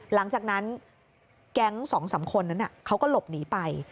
หลังจากนั้นแก๊ง๒๓คนนั้นเขาก็หลบหนีไป